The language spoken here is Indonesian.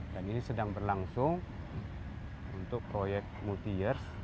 dan ini sedang berlangsung untuk proyek multi years